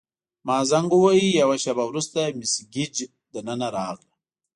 ما زنګ وواهه، یوه شیبه وروسته مس ګیج دننه راغله.